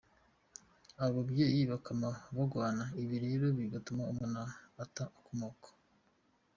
"Abo bavyeyi bakama bagwana, ibi rero bigatuma umwana ata akomoka.